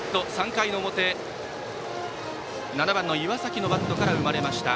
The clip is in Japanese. ３回の表に７番の岩崎のバットから生まれました。